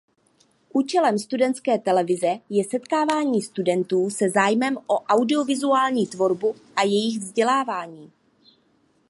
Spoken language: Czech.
Účelem studentské televize je setkávání studentů se zájmem o audiovizuální tvorbu a jejich vzdělávání.